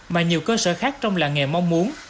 mà nhiều cơ sở khác trong làng nghề mong muốn